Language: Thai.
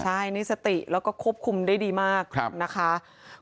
ใช่นี่สติแล้วก็ควบคุมได้ดีมากนะคะ